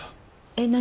えっ何？